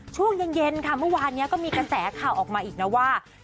ช่วงเย็นค่ะเมื่อวานนี้ก็มีกระแสข่าวออกมาอีกนะว่า